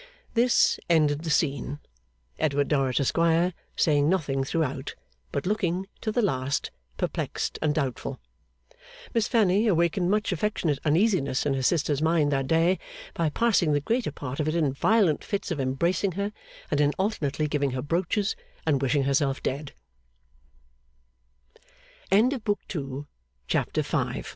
This ended the scene; Edward Dorrit, Esquire, saying nothing throughout, but looking, to the last, perplexed and doubtful. Miss Fanny awakened much affectionate uneasiness in her sister's mind that day by passing the greater part of it in violent fits of embracing her, and in alternately giving her brooches, and